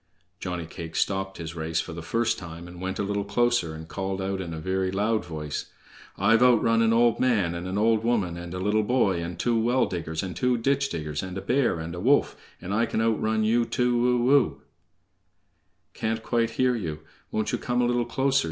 Johnny cake stopped his race for the first time, and went a little closer, and called out in a very loud voice: "_I've outrun an old man, and an old woman, and a little boy, and two well diggers, and two ditch diggers, and a bear, and a wolf, and I can outrun you too o o!_" "Can't quite hear you; won't you come a little closer?"